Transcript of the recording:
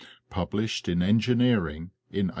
published in Engineering, in 1888.